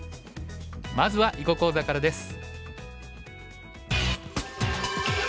まずは囲碁講座からです。